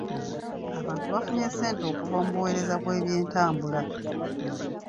Abantu bafunye ssente okuva mu buweereza bw'ebyentambula.